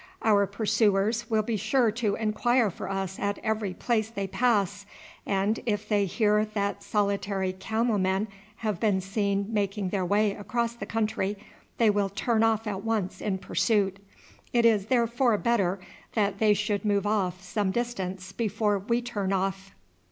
Our pursuers will be sure to inquire for us at every place they pass, and if they hear that solitary camel men have been seen making their way across the country they will turn off at once in pursuit. It is therefore better that they should move off some distance before we turn off."